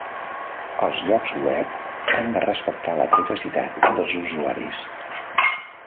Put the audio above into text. Els llocs web han de respectar la privacitat dels usuaris.